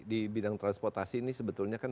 di bidang transportasi ini sebetulnya kan